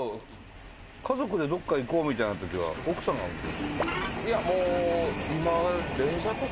家族でどっか行こうみたいなときは奥さんが運転？